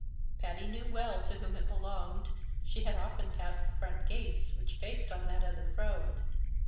Patty knew well to whom it belonged; she had often passed the front gates which faced on the other road.